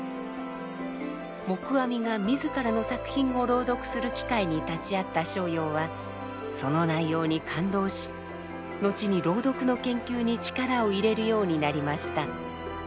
黙阿弥が自らの作品を朗読する機会に立ち会った逍遙はその内容に感動し後に朗読の研究に力を入れるようになりました。